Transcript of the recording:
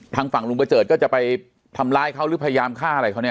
ทางฝั่งลุงประเจิดก็จะไปทำร้ายเขาหรือพยายามฆ่าอะไรเขาเนี่ย